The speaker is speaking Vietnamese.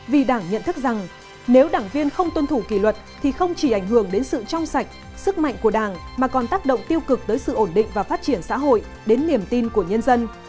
vì đảng nhận thức rằng nếu đảng viên không tuân thủ kỷ luật thì không chỉ ảnh hưởng đến sự trong sạch sức mạnh của đảng mà còn tác động tiêu cực tới sự ổn định và phát triển xã hội đến niềm tin của nhân dân